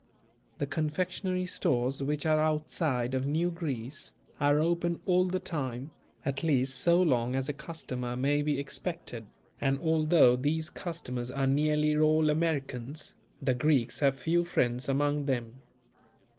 The confectionery stores which are outside of New Greece, are open all the time, at least so long as a customer may be expected, and although these customers are nearly all Americans, the Greeks have few friends among them.